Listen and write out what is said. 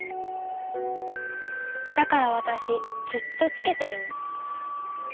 だからわたしずっとつけてるの。